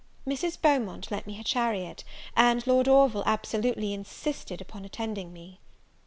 Mrs. Beaumont lent me her chariot, and Lord Orville absolutely insisted upon attending me.